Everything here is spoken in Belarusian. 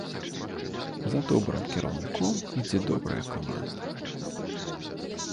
За добрым кіраўніком ідзе добрая каманда!